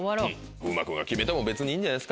風磨君が決めても別にいいんじゃないですか？